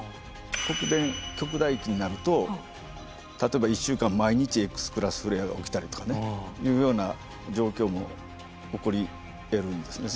黒点極大期になると例えば１週間毎日Ｘクラスフレアが起きたりとかねいうような状況も起こりえるんですね。